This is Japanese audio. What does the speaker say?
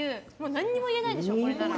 何も言えないでしょう、これなら。